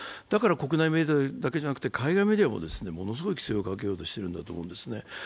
だから国内メディアだけじゃなくて海外メディアもものすごい規制をかけようとしているんだと思うんですね。